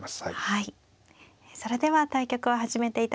はい。